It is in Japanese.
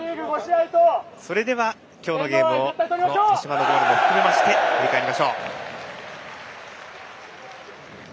それでは今日のゲームを柏のゴールを含め振り返りましょう。